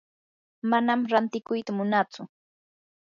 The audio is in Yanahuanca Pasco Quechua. manam rantikuyta munatsu.